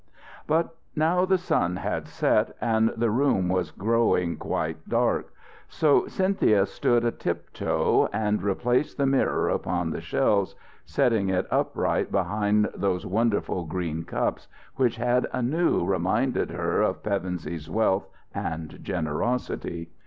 But now the sun had set, and the room was growing quite dark. So Cynthia stood a tiptoe, and replaced the mirror upon the shelves, setting it upright behind those wonderful green cups which had anew reminded her of Pevensey's wealth and generosity.